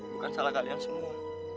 bukan salah kalian semua